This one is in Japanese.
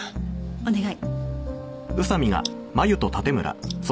お願い。